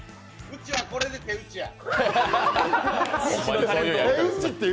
うちはこれで手打ちや。